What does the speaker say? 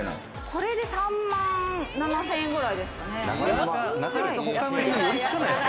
これで３万７０００円くらいですかね。